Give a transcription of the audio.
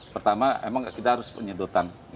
pertama emang kita harus penyedotan